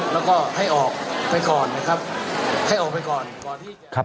แล้วก็ให้ออกไปก่อนนะครับ